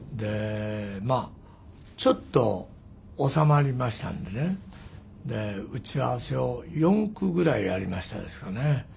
まあちょっと収まりましたんでね打ち合わせを４区ぐらいやりましたですかね。